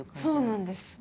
そうなんですよね。